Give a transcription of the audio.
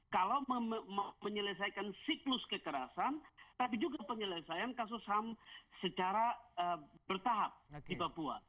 kalau menyelesaikan siklus kekerasan tapi juga penyelesaian kasus ham secara bertahap di papua